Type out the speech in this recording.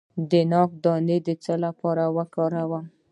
د ناک دانه د څه لپاره وکاروم؟